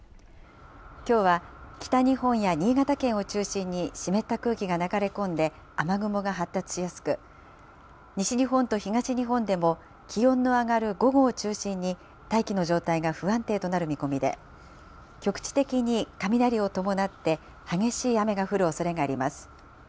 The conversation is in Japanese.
きょうは北日本や新潟県を中心に、湿った空気が流れ込んで雨雲が発達しやすく、西日本と東日本でも気温の上がる午後を中心に、大気の状態が不安定となる見込みで、局地的に雷を伴って激しい雨が降るおそれがあります。